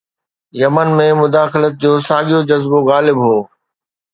Yemen ۾ مداخلت جو ساڳيو جذبو غالب هو.